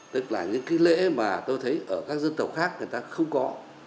tức là những cái lễ mà tôi thấy ở các dân tộc khác người ta không có